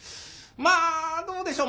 まあどうでしょう